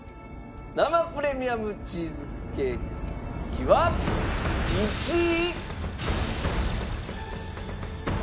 生プレミアムチーズケーキは１位。